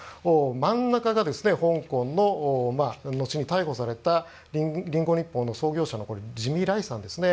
真ん中が香港の、のちに逮捕されたリンゴ日報創業者のジミー・ライさんですね。